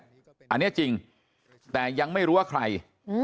อันนี้จริงแต่ยังไม่รู้ว่าใคร